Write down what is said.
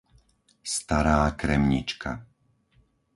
Stará Kremnička